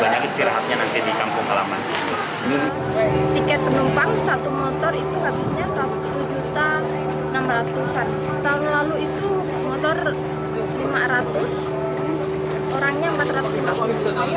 tahun lalu itu motor rp lima ratus an orangnya rp empat ratus lima puluh an